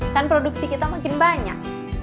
kan produksi kita makin banyak